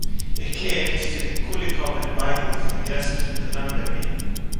ער קלערט צי די קוליקאָווער בייגל זענען גרעסער פֿון די לעמבערגער.